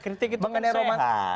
kritik itu kesehatan